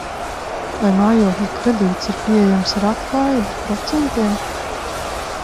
Vai mājokļa kredīts ir pieejams ar atlaidi procentiem?